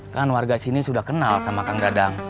kan warga sini sudah kenal sama kang dadang